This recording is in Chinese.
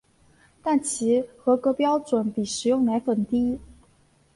但其合格标准比食用奶粉低。